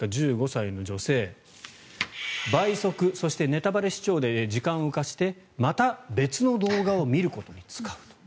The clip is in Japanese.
１５歳の女性倍速、そしてネタバレ視聴で時間を浮かせてまた別の動画を見ることに使うと。